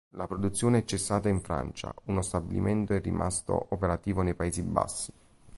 La produzione è cessata in Francia, uno stabilimento è rimasto operativo nei Paesi Bassi.